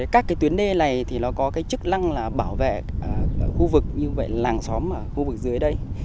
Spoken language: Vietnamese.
các tuyến đề này có chức năng bảo vệ khu vực như làng xóm ở khu vực dưới đây